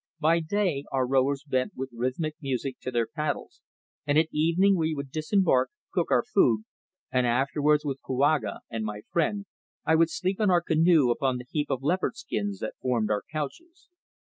By day our rowers bent with rhythmic music to their paddles, and at evening we would disembark, cook our food, and afterwards with Kouaga and my friend I would sleep in our canoe upon the heap of leopard skins that formed our couches.